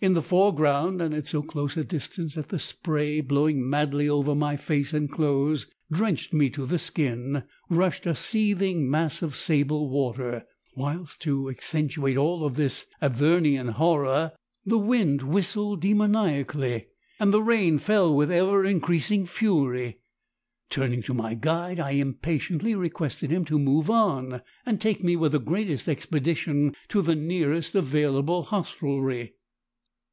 In the foreground, and at so close a distance that the spray blowing madly over my face and clothes drenched me to the skin, rushed a seething mass of sable water, whilst to accentuate all this Avernian horror, the wind whistled demoniacally, and the rain fell with ever increasing fury. Turning to my guide, I impatiently requested him 'to move on,' and take me with the greatest expedition to the nearest available hostelry.